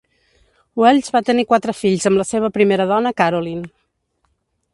Welch va tenir quatre fills amb la seva primera dona, Carolyn.